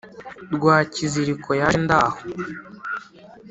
Rwakiziriko yaje ndaho